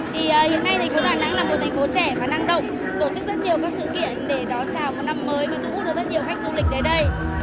thành phố đà nẵng là một thành phố trẻ và năng động tổ chức rất nhiều sự kiện để chào một năm mới và thu hút được rất nhiều khách du lịch đến đây